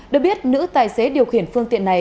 được biết nữ tài xế điều khiển phương tiện này